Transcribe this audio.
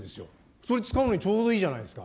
それ使うのにちょうどいいじゃないですか。